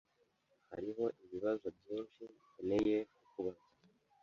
Hariho ibibazo byinshi nkeneye kukubaza.